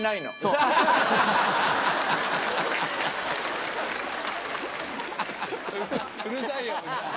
うるさいよ。